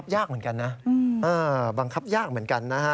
บังคับยากเหมือนกันนะ